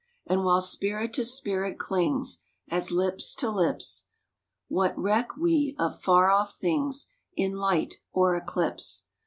And while spirit to spirit clings As lips to lips, What reck we of far off things In light or eclipse?